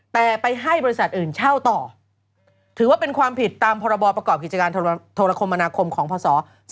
แต่ไปให้บริษัทอื่นเช่าต่อถือว่าเป็นความผิดตามพรบประกอบกิจการโทรคมมนาคมของพศ๒๕๖